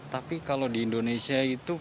tapi kalau di indonesia itu